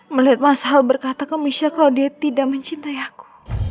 melihat mas hal berkata ke misha kalau dia tidak mencintai aku